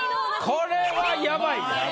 これはやばいぞ。